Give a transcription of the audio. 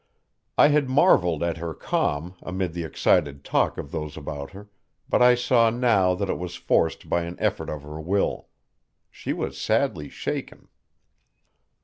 I had marveled at her calm amid the excited talk of those about her, but I saw now that it was forced by an effort of her will. She was sadly shaken.